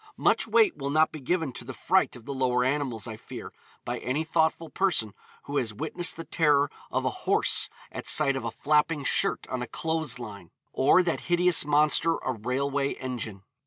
Much weight will not be given to the fright of the lower animals, I fear, by any thoughtful person who has witnessed the terror of a horse at sight of a flapping shirt on a clothes line, or that hideous monster a railway engine.